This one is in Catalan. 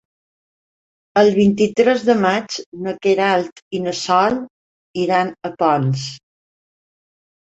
El vint-i-tres de maig na Queralt i na Sol iran a Ponts.